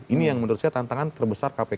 ini yang menurut saya tantangan terbesar kpk